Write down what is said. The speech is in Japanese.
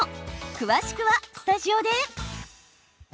詳しくはスタジオで。